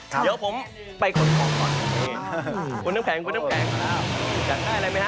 เดี๋ยวผมไปคนนึมก่อน